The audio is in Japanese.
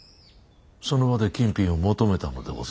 その場で金品を求めたのでござるか？